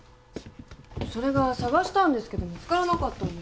それが捜したんですけど見つからなかったんです。